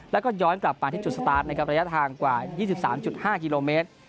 แล้วก็ย้อนกลับมาที่จุดสตาร์ทนะครับระยะทางกว่า๒๓๕กิโลเมตร